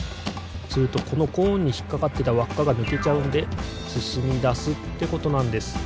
するとこのコーンにひっかかってたわっかがぬけちゃうのですすみだすってことなんです。